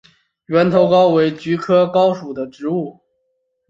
圆头蒿为菊科蒿属的植物。